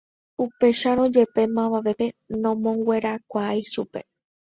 Upéicharõ jepe mavave nomonguerakuaái chupe.